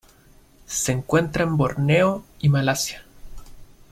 Se encuentra en Borneo y Malasia.